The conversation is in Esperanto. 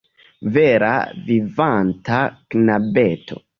Vera vivanta knabeto!